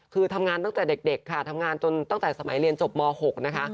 คือทำงานตั้งแต่เด็กค่ะทำงานจนตั้งแต่สมัยเรียนจบม๖นะคะ